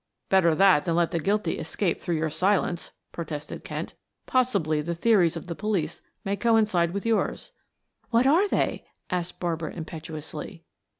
"Better that than let the guilty escape through your silence," protested Kent. "Possibly the theories of the police may coincide with yours. "What are they?" asked Barbara impetuously.